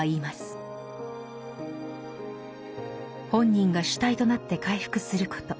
本人が主体となって回復すること。